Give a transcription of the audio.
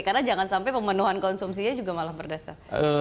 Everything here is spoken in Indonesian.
karena jangan sampai pemenuhan konsumsinya juga malah berdasar